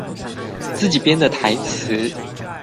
自己編的台詞